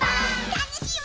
たのしい